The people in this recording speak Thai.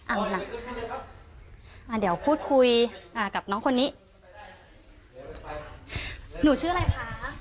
เอาล่ะอ่าเดี๋ยวพูดคุยอ่ากับน้องคนนี้หนูชื่ออะไรคะ